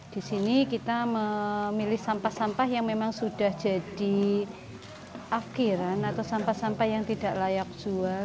di sini kita memilih sampah sampah yang memang sudah jadi afkiran atau sampah sampah yang tidak layak jual